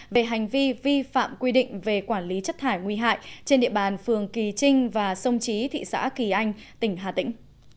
về hành vi vi phạm quy định về quản lý chất thải nguy hại trên địa bàn phường kỳ trinh và sông trí thị xã kỳ anh tỉnh hà tĩnh